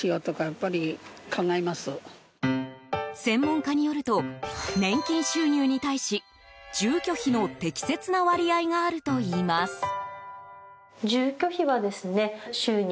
専門家によると年金収入に対し住居費の適切な割合があるといいます。